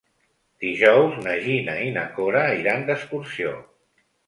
Dijous na Gina i na Cora iran d'excursió.